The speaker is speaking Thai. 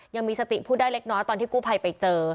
ยังมีสติพูดได้เล็กน้อยตอนที่กู้ภัยไปเจอ